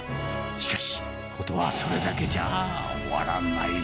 しかし、事はそれだけじゃあ終わらない。